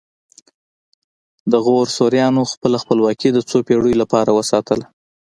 د غور سوریانو خپله خپلواکي د څو پیړیو لپاره وساتله